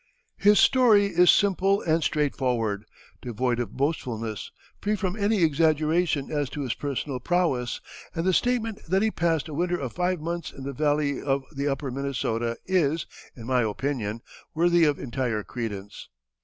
His story is simple and straightforward, devoid of boastfulness, free from any exaggeration as to his personal prowess, and the statement that he passed a winter of five months in the valley of the Upper Minnesota is, in my opinion, worthy of entire credence.